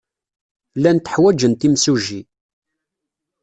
Llant ḥwajent imsujji.